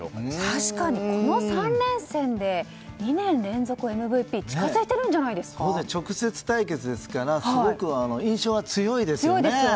確かに、この３連戦で２年連続ＭＶＰ直接対決ですからすごく印象は強いですよね。